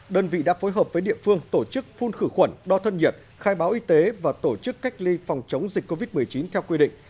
đơn vị đã phối hợp với địa phương tổ chức phun khử khuẩn đo thân nhiệt khai báo y tế và tổ chức cách ly phòng chống dịch covid một mươi chín theo quy định